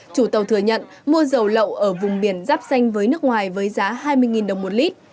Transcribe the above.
chủ tàu thừa nhận mua dầu lậu ở vùng biển giáp xanh với nước ngoài với giá hai mươi đồng một lít